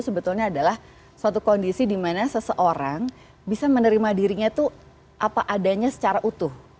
sebetulnya adalah suatu kondisi dimana seseorang bisa menerima dirinya itu apa adanya secara utuh